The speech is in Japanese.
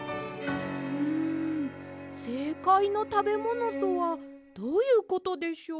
んせいかいのたべものとはどういうことでしょう？」